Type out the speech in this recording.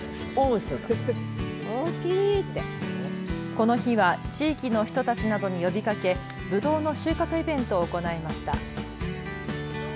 この日は地域の人たちなどに呼びかけ、ぶどうの収穫イベントを行いました。